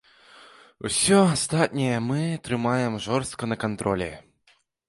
Усё астатняе мы трымаем жорстка на кантролі.